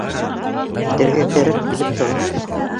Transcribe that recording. Әйтергә кәрәк, килеп сыға.